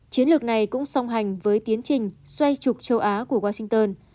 chiến lược này cũng song hành với tiến trình xoay trục châu á của washington